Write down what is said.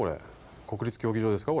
国立競技場ですか？